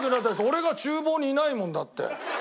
俺が厨房にいないもんだって。